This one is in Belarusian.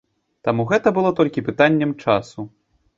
Таму гэта было толькі пытаннем часу.